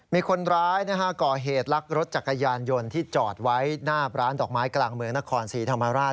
มีคนร้ายก่อเหตุลักรถจักรยานยนต์ที่จอดไว้หน้าร้านดอกไม้กลางเมืองนครศรีธรรมราช